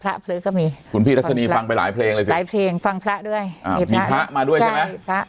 หรือก็มีคุณพี่ทัศนีฟังไปหลายเพลงเลยสิหลายเพลงฟังพระด้วยมีพระมาด้วยใช่ไหมมีพระ